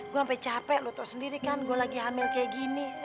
gue sampai capek lo tau sendiri kan gue lagi hamil kayak gini